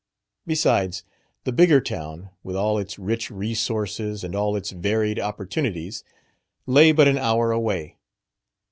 Besides, the Bigger Town, with all its rich resources and all its varied opportunities, lay but an hour away.